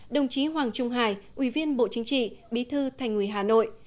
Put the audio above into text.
đồng chí hoàng trung hải ủy viên bộ chính trị bí thư thành ủy hà nội